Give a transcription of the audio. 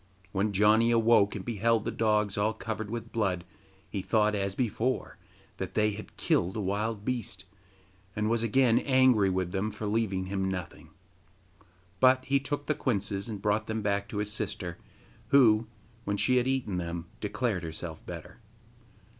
When Janni awoke and beheld the dogs all covered with blood, he thought, as before, that they had killed a wild beast, and was again angry with them for leaving him nothing. But he took the quinces and brought them back to his sister, who, when she had eaten them, declared herself better.